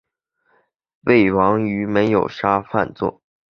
魏王于是没有杀范痤。